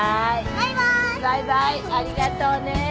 バイバイありがとうね。